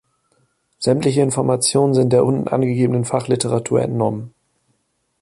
Sämtliche Informationen sind der unten angegebenen Fachliteratur entnommen.